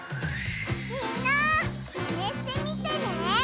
みんなマネしてみてね！